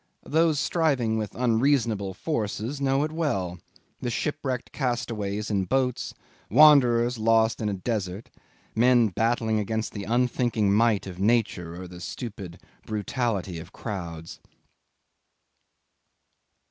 Those striving with unreasonable forces know it well, the shipwrecked castaways in boats, wanderers lost in a desert, men battling against the unthinking might of nature, or the stupid brutality of crowds.